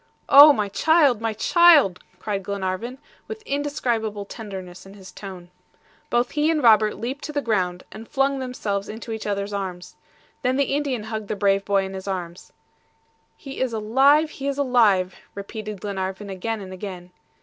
"Oh, my child, my child!" cried Glenarvan, with indescribable tenderness in his tone. Both he and Robert leaped to the ground, and flung themselves into each other's arms. Then the Indian hugged the brave boy in his arms. "He is alive, he is alive," repeated Glenarvan again and again.